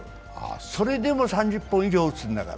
それでも３０本以上打つんだから。